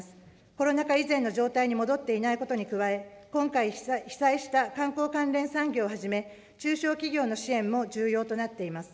コロナ禍以前の状態に戻っていないことに加え、今回被災した観光関連産業をはじめ、中小企業の支援も重要となっています。